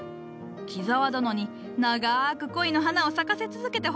木沢殿に長く恋の花を咲かせ続けてほしいからのう。